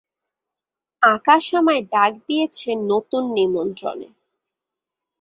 আকাশ আমায় ডাক দিয়েছে নতুন নিমন্ত্রণে।